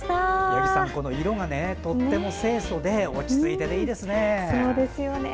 八木さん色がとても清そで落ち着いていていいですね。